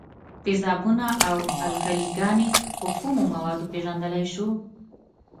تیزابونه او القلي ګانې په کومو موادو پیژندلای شو؟